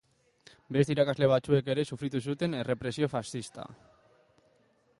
Beste irakasle batzuek ere sufritu zuten errepresio faxista.